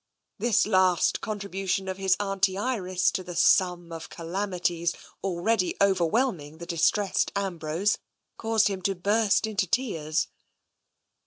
" This last contribution of his Auntie Iris' to the sum of calamities already overwhelming the distressed Am brose caused him to burst into tears.